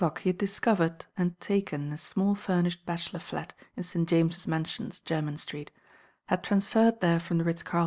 'f^°<^k he had discovered and taken a «na 1 furnished bachelor flat in St. James's Man! •ions Jcrmyn Street, had transferred there from the S«;^.